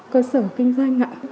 cơ sở kinh doanh